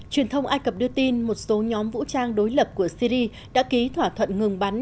truyền thông ai cập đưa tin một số nhóm vũ trang đối lập của syri đã ký thỏa thuận ngừng bắn